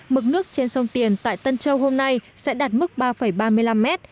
mực nước trên sông tiền tại tân châu hôm nay sẽ đạt mức ba ba mươi năm mét